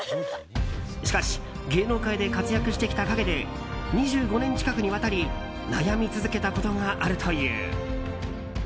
しかし芸能界で活躍してきた陰で２５年近くにわたり悩み続けたことがあるという。